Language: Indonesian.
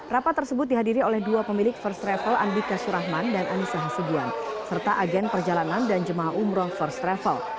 rapat tersebut dihadiri oleh dua pemilik first travel andika surahman dan anissa hasibuan serta agen perjalanan dan jemaah umroh first travel